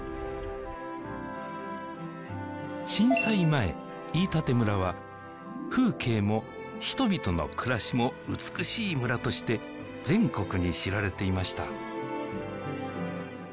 震災前飯舘村は風景も人々の暮らしも美しい村として全国に知られていました